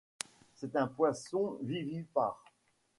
C'est un poisson vivipare.